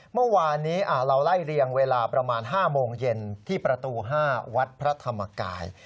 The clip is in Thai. เมื่อวานนี้เราไล่เรียงเวลาประมาณ๕โมงเย็นที่ประตู๕วัดพระธรรมกาย